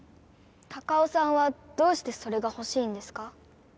タカオさんはどうしてそれがほしいんですか？